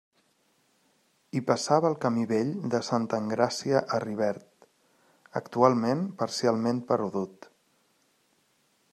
Hi passava el Camí vell de Santa Engràcia a Rivert, actualment parcialment perdut.